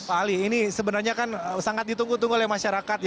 pak ali ini sebenarnya kan sangat ditunggu tunggu oleh masyarakat